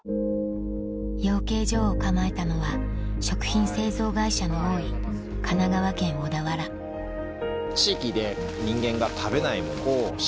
養鶏場を構えたのは食品製造会社の多い神奈川県小田原地域で。